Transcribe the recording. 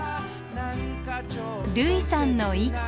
類さんの一句。